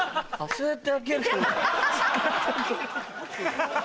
そうやって開け。